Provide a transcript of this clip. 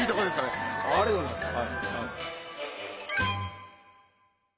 ありがとうございます。